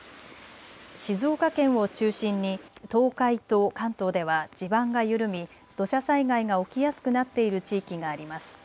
静岡県を中心に東海と関東では地盤が緩み土砂災害が起きやすくなっている地域があります。